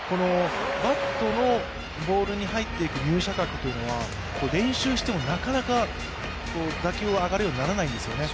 バットのボールに入っていく入射角というのは練習してもなかなか打球は上がるようにならないんですよね。